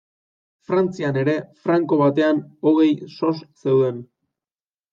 Frantzian ere franko batean hogei soz zeuden.